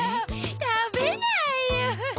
たべないよ。